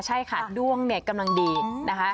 ใช่ค่ะดวงกำลังดีนะคะ